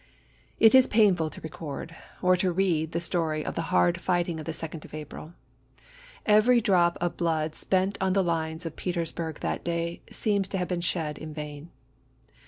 It is painful to record or to read the story of the hard fighting of the 2d of April; every drop of blood spent on the lines of Peters burg that day seems to have been shed in vain.